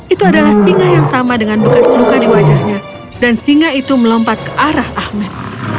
itu adalah singa yang sama dengan bekas luka di wajahnya dan singa itu melompat ke arah ahmed